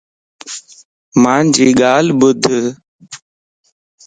مانجي ڳالھ ٻڌ